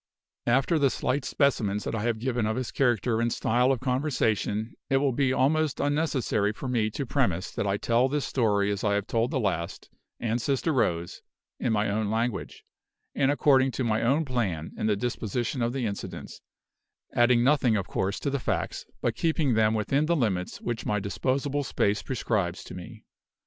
After the slight specimens that I have given of his character and style of conversation, it will be almost unnecessary for me to premise that I tell this story as I have told the last, and "Sister Rose," in my own language, and according to my own plan in the disposition of the incidents adding nothing, of course, to the facts, but keeping them within the limits which my disposable space prescribes to me.